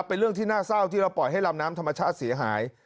เป็นเรื่องที่น่าเศร้าที่เราปล่อยให้ลำน้ำธรรมชาติเสียหาย